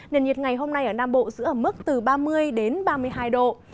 nền nhiệt ngày hôm nay ở nam bộ giữ ở mức từ ba mươi đến ba mươi hai độ